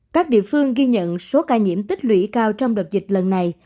các địa phương ghi nhận số ca nhiễm tích lũy cao trong đợt dịch lần này